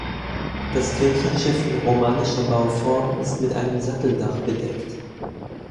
Das Kirchenschiff in romanischer Bauform ist mit einem Satteldach bedeckt.